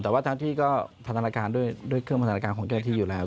แต่ว่าทั้งที่ก็พันธนาการด้วยเครื่องพัฒนาการของเจ้าหน้าที่อยู่แล้ว